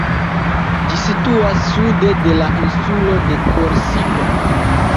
Ĝi situas sude de la insulo de Korsiko.